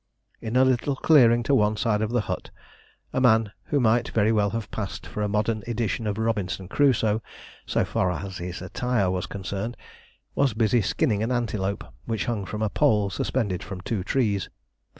In a little clearing to one side of the hut, a man, who might very well have passed for a modern edition of Robinson Crusoe, so far as his attire was concerned, was busily skinning an antelope which hung from a pole suspended from two trees.